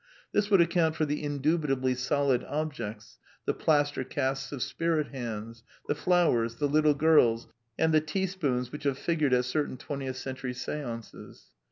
This would account for the indu bitably solid objects, the plaster casts of "spirit hands," the flowers, the little girls, and the teaspoons which have figured at certain twentieth century seances.